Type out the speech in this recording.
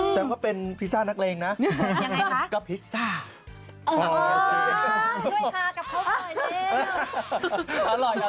แต่พอเป็นพิซซ่านักเล่งนะก็พิซซ่าอ๋อ้สิด้วยค่ะกับเขาเผินอีก